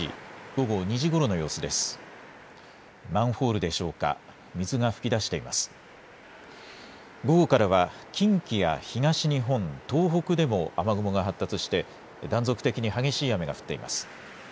午後からは近畿や東日本、東北でも雨雲が発達して断続的に激しい雨が降っています。